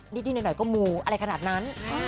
นิดหน่อยก็มูอะไรขนาดนั้น